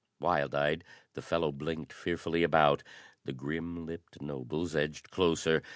Wild eyed, the fellow blinked fearfully about. The grim lipped nobles edged closer.